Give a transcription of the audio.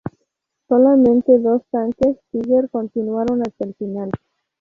Solamente dos tanques Tiger continuaron hasta el final.